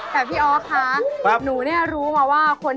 กับพี่ออกค้าหนูรู้มาว่าครับ